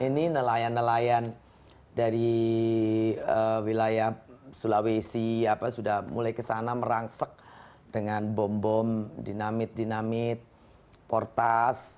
ini nelayan nelayan dari wilayah sulawesi sudah mulai kesana merangsek dengan bom bom dinamit dinamit portas